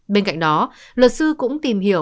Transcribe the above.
bên cạnh đó luật sư cũng tìm hiểu